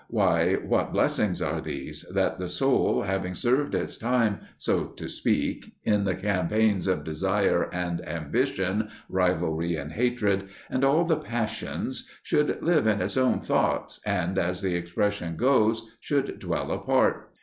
Why, what blessings are these that the soul, having served its time, so to speak, in the campaigns of desire and ambition, rivalry and hatred, and all the passions, should live in its own thoughts, and, as the expression goes, should dwell apart!